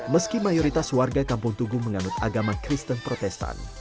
meski mayoritas warga kampung tugu menganut agama kristen protestan